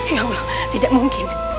ya allah tidak mungkin